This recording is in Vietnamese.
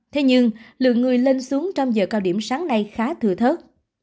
thế nhưng lượng người lên xuống trong giờ cao điểm sáng nay khá thừa thớt